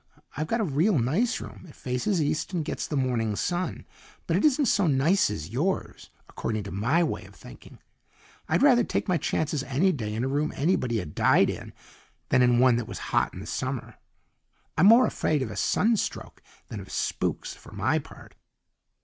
I've got a real nice room; it faces east and gets the morning sun, but it isn't so nice as yours, according to my way of thinking. I'd rather take my chances any day in a room anybody had died in than in one that was hot in summer. I'm more afraid of a sunstroke than of spooks, for my part."